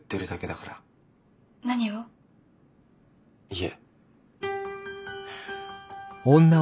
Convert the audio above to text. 家。